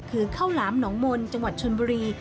คือข้าวหลามหนองมนต์จังหวัดชนบุรี